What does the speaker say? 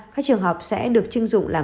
các trường học sẽ được chưng dụng làm